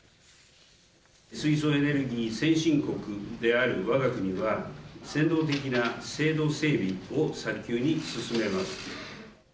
水素エネルギー先進国であるわが国は、先導的な制度整備を早急に進めます。